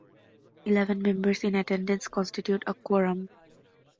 Eleven members in attendance constitute a quorum.